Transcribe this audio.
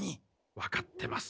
わかってます。